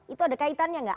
itu ada kaitannya nggak